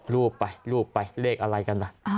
รูปไปรูปไปเลขอะไรกันนะ